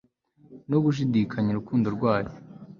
no gushidikanya urukundo rwayo